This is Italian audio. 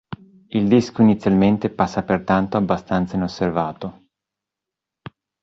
Il disco inizialmente passa pertanto abbastanza inosservato.